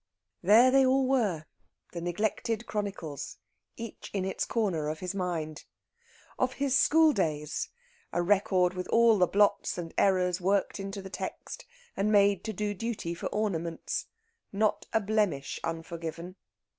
There they all were, the neglected chronicles, each in its corner of his mind. Of his school days, a record with all the blots and errors worked into the text and made to do duty for ornaments. Not a blemish unforgiven.